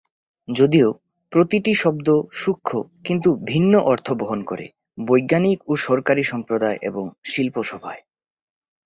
যদিও, প্রতিটি শব্দ সূক্ষ কিন্তু ভিন্ন অর্থ বহন করে, বৈজ্ঞানিক ও সরকারি সম্প্রদায় এবং শিল্পসভায়।